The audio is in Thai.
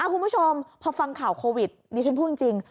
คุณผู้ชมพอฟังข่าวโควิดนี่ฉันพูดจริง